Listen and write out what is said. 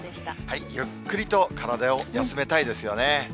ゆっくりと体を休めたいですよね。